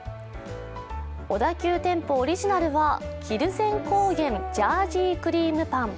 小田急店舗オリジナルは蒜山ジャージークリームパン。